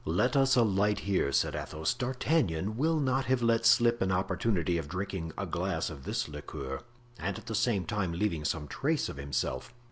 "Let us alight here," said Athos. "D'Artagnan will not have let slip an opportunity of drinking a glass of this liqueur, and at the same time leaving some trace of himself."